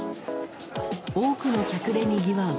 多くの客でにぎわう